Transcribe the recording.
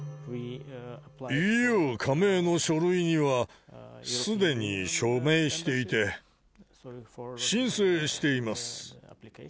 ＥＵ加盟の書類にはすでに署名していて、申請しています。